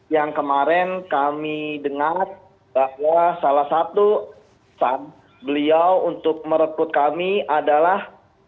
yang kemarin kami dengar bahwa salah satu beliau untuk merekrut kami adalah